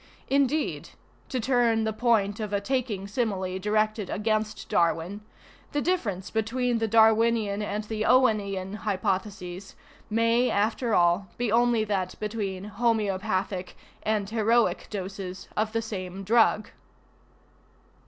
Indeed, to turn the point of a taking simile directed against Darwin, ŌĆö the difference between the Darwinian and the Owenian hypotheses may, after all, be only that between homoeopathic and heroic doses of the same drug.